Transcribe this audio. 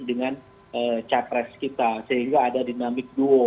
dengan catres kita sehingga ada dinamik duo